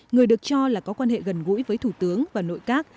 người được cho là có quan hệ gần gũi với thủ tướng và nội các